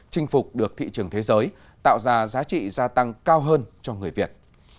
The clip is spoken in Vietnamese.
chinh phục được thị trường thế giới tạo ra giá trị gia tăng cao hơn cho người việt